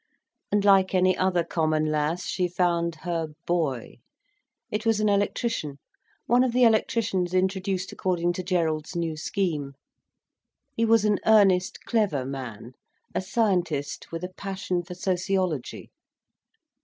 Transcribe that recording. And, like any other common lass, she found her 'boy.' It was an electrician, one of the electricians introduced according to Gerald's new scheme. He was an earnest, clever man, a scientist with a passion for sociology.